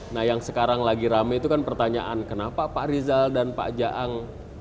nah yang sekarang lagi rame itu kan pertanyaan kenapa pak rizal dan pak jaang